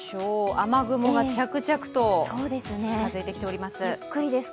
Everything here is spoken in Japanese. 雨雲が着々と近づいてきております。